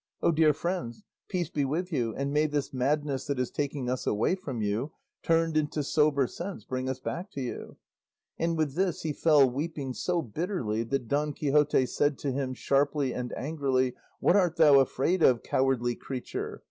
O dear friends, peace be with you, and may this madness that is taking us away from you, turned into sober sense, bring us back to you." And with this he fell weeping so bitterly, that Don Quixote said to him, sharply and angrily, "What art thou afraid of, cowardly creature?